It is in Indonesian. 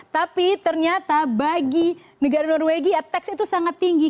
tapi ternyata bagi negara norwegia teks itu sangat tinggi